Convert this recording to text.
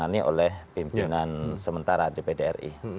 ditani oleh pimpinan sementara dpd ri